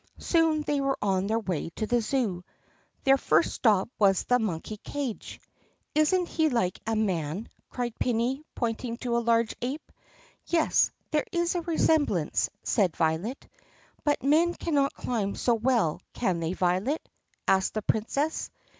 Soon they were on their way to the zoo. Their first stop was at the monkey cage. "Is n't he like a man!" cried Prinny pointing to a large ape. "Yes, there is a resemblance," said Violet. "But men cannot climb so well, can they, Violet 4 ?" asked the Princess.